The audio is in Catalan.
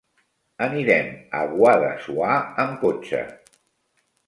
Anirem a Guadassuar amb cotxe.